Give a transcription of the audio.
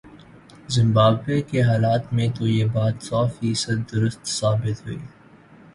Zimbabwe کے حالات میں تو یہ بات سوفیصد درست ثابت ہوئی۔